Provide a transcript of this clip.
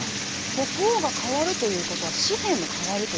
国王が代わるということは紙幣も変わると？